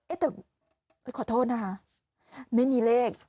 เอ๊ะแต่ขอโทษนะฮะไม่มีเลข